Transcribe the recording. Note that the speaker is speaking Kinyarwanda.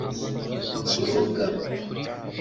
Kiboga